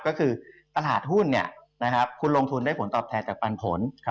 ก็คือตลาดหุ้นคุณลงทุนได้ผลตอบแทนจากปันผล